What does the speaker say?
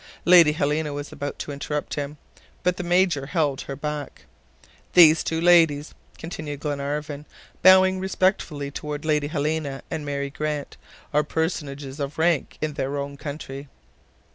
Lady Helena was about to interrupt him. But the Major held her back. "Those two ladies," continued Glenarvan, bowing respectfully toward Lady Helena and Mary Grant, "are personages of rank in their own country."